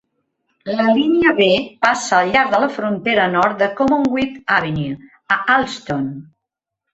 La línia B passa al llarg de la frontera nord de Commonwealth Avenue, a Allston.